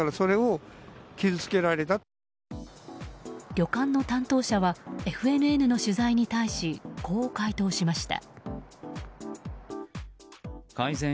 旅館の担当者はＦＮＮの取材に対しこう回答しました。